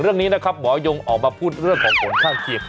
เรื่องนี้นะครับหมอยงออกมาพูดเรื่องของผลข้างเคียง